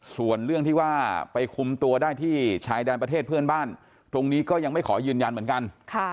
ส่วนเรื่องที่ว่าไปคุมตัวได้ที่ชายแดนประเทศเพื่อนบ้านตรงนี้ก็ยังไม่ขอยืนยันเหมือนกัน